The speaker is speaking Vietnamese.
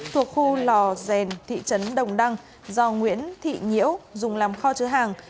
thuộc khu lò rèn thị trấn đồng đăng do nguyễn thị nhiễu dùng làm kho chứa hàng